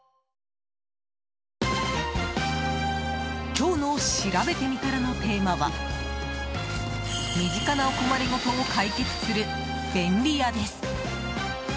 今日のしらべてみたらのテーマは身近なお困りごとを解決する便利屋です。